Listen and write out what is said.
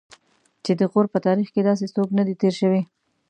چې د غور په تاریخ کې داسې څوک نه دی تېر شوی.